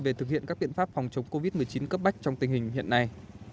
về thực hiện các biện pháp phòng chống covid một mươi chín cấp bách trong tình hình hiện nay